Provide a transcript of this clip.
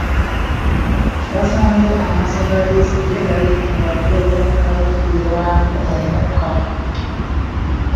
Basanze amaaso ga Besigye galiko enkwagulo oluvannyuma lw’okukubibwamu omukka.